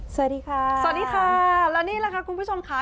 สวัสดีค่ะสวัสดีค่ะแล้วนี่แหละค่ะคุณผู้ชมค่ะ